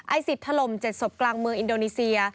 ไอศิษฐ์ถล่มเจ็ดศพกลางเมืองอินโดนีเซีย